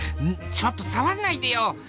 「ちょっと触んないでよ！